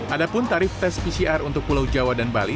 adapun tarif tes pcr untuk pulau jawa dan bali